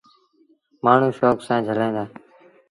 مآڻهوٚݩ شوڪ سآݩ جھليٚن دآ۔